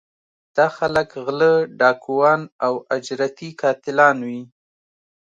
دا خلک غلۀ ، ډاکوان او اجرتي قاتلان وي